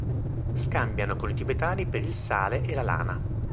Scambiano con i tibetani per il sale e la lana.